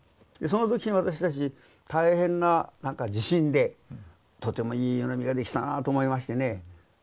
その時私たち大変な自信でとてもいい湯飲みができたなと思いましてね